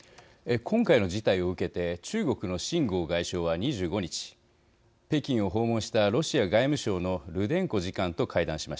今回の事態を受けて中国の秦剛外相は２５日北京を訪問したロシア外務省のルデンコ次官と会談しました。